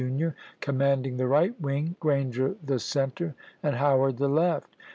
Blair, Jr., comrQanding the right wing, Repor?.' Grranger the center, and Howard the left.